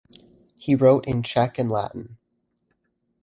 He wrote in Czech and Latin.